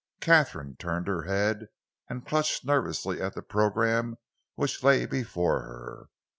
Katharine turned her head and clutched nervously at the programme which lay before her.